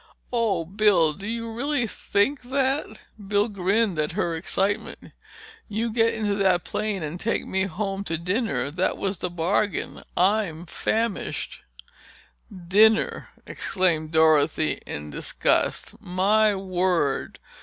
"Oh, Bill! Do you really think that?" Bill grinned at her excitement. "You get into that plane and take me home to dinner. That was the bargain, and I'm famished!" "Dinner!" exclaimed Dorothy in disgust. "My word!